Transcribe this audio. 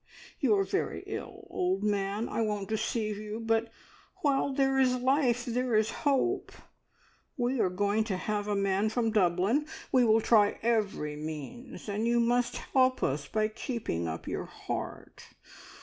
You are very ill, old man I won't deceive you but while there is life there is hope. We are going to have a man from Dublin; we will try every means, and you must help us by keeping up your heart.